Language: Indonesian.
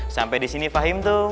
sampai disini fahim tung